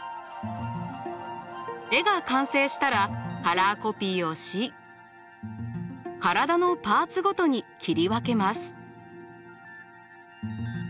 絵が完成したらカラーコピーをし体のパーツごとに切り分けます。